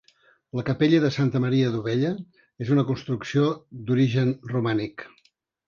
La capella de Santa Maria d'Ovella és una construcció d'origen romànic.